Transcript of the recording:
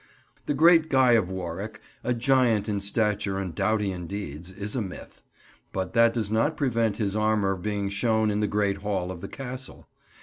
The great Guy of Warwick, a giant in stature and doughty in deeds, is a myth, but that does not prevent his armour being shown in the Great Hall of the Castle.